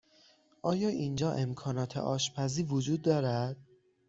آیا اینجا امکانات آشپزی وجود دارد؟